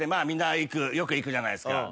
みんなよく行くじゃないですか。